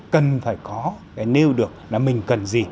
cần phải có nêu được là mình cần gì